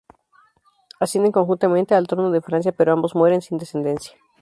Ascienden conjuntamente al trono de Francia pero ambos mueren sin descendencia.